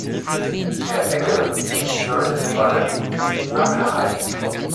Herr Eckel sollte den Ball lieber flach halten.